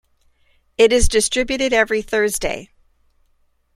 It is distributed every Thursday.